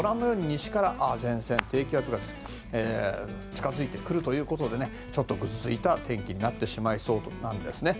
西から前線低気圧が近付いてくるということでちょっとぐずついた天気になってしまいそうなんですね。